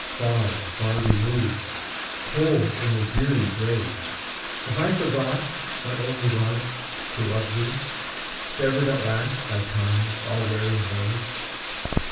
Far, far removed, cold in the dreary grave! Have I forgot, my only love, to love thee, Severed at last by Time's all wearing wave?